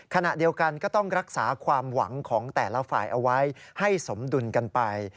ขณะเดียวกันก็ต้องรักษาความหวังของแต่ละฝ่ายเอาไว้ให้สมดุลกันไป